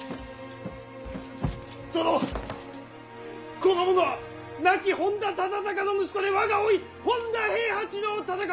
この者は亡き本多忠高の息子で我が甥本多平八郎忠勝！